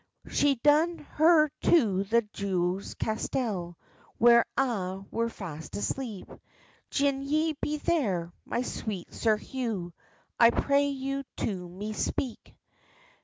She's doen her to the Jew's castell, Where a' were fast asleep: "Gin ye be there, my sweet Sir Hugh, I pray you to me speak."